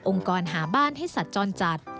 องค์กรหาบ้านให้สัดจรจัด